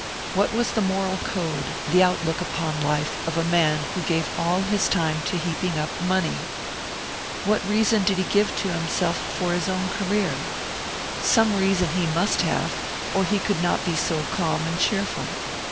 What was the moral code, the outlook upon life, of a man who gave all his time to heaping up money? What reason did he give to himself for his own career? Some reason he must have, or he could not be so calm and cheerful.